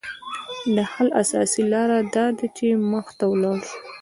د حل اساسي لاره داده چې مخ ته ولاړ شو